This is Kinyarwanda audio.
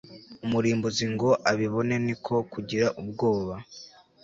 umurimbuzi ngo abibone ni ko kugira ubwoba